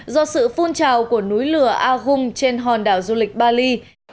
do sự phun trào của núi lửa agung trên hòn đảo du lịch bali